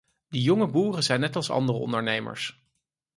De jonge boeren zijn net als andere ondernemers.